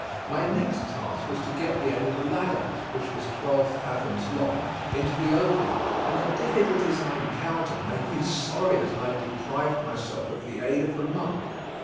My next task was to get the end of the ladder (which was twelve fathoms long) into the opening, and the difficulties I encountered made me sorry that I had deprived myself of the aid of the monk.